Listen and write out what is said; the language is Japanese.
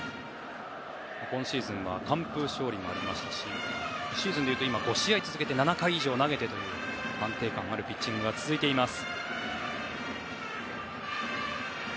今シーズンは完封勝利もありましたしシーズンでいうと、５試合続けて７回以上投げてという安定感のあるピッチングが続いています。